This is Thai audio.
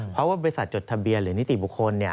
เพราะว่าบริษัทจดทะเบียนหรือนิติบุคคล